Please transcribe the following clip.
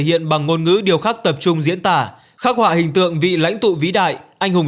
hiện bằng ngôn ngữ điều khắc tập trung diễn tả khắc họa hình tượng vị lãnh tụ vĩ đại anh hùng